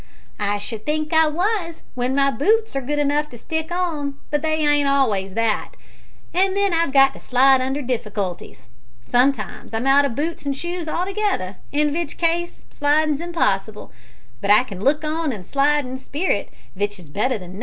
"I should think I was w'en my boots are good enough to stick on, but they ain't always that, and then I've got to slide under difficulties. Sometimes I'm out o' boots an' shoes altogether, in vich case slidin's impossible; but I can look on and slide in spirit, vich is better than nuffin'.